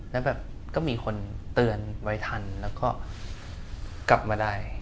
แล้วแบบก็มีคนเตือนไว้ทันแล้วก็กลับมาได้